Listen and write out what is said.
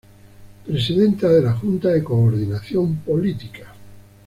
Presidenta de la Junta de Coordinación Política.